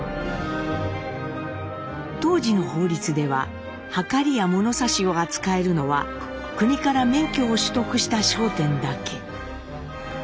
当時の法律でははかりや物差しを扱えるのは国から免許を取得した商店だけ。